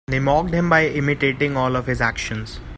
They mocked him by imitating all of his actions.